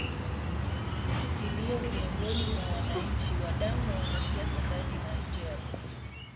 Huku kilio miongoni mwa wananchi wadau na wanasiasa ndani na nje ya Bunge